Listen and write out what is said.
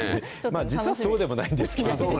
実はそうでもないんですけれどもね。